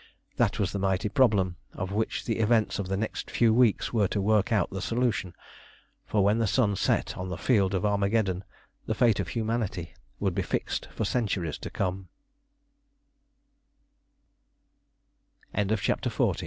That was the mighty problem of which the events of the next few weeks were to work out the solution, for when the sun set on the Field of Armageddon the fate of Humanity would be fixed for cent